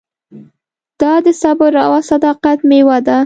دا د صبر او صداقت مېوه ده.